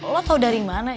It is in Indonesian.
lo tau dari mana